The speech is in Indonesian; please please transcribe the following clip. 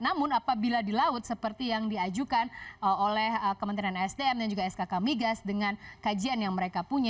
namun apabila di laut seperti yang diajukan oleh kementerian sdm dan juga skk migas dengan kajian yang mereka punya